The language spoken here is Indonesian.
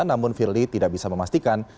namun firly tidak bisa memastikan